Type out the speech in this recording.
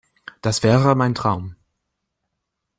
Das wäre mein Traum.